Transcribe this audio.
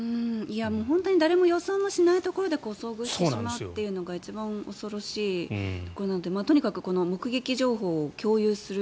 本当に誰も予想もしないところで遭遇してしまうというのが一番恐ろしいことなのでとにかく目撃情報を共有する。